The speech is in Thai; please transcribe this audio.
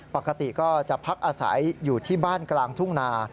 ปกติก็จะพักอาศัยอยู่ที่บ้านกลางทุ่งนา